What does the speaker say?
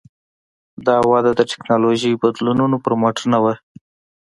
دا وده د ټکنالوژیکي بدلونونو پر مټ نه وه.